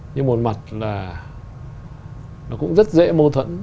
nhưng một mặt là nó cũng rất dễ mâu thuẫn